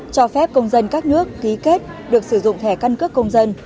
cho phép công dân các nước ký kết được sử dụng thẻ căn cước công dân